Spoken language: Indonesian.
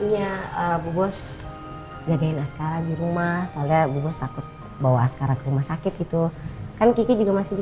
ya bos jagain sekarang di rumah soalnya bos takut bawa sekarang rumah sakit gitu kan juga masih di